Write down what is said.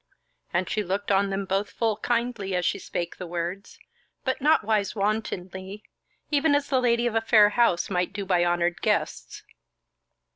And she looked on them both full kindly as she spake the words, but nowise wantonly; even as the lady of a fair house might do by honoured guests.